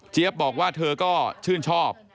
บอกว่าเธอก็ชื่นชอบ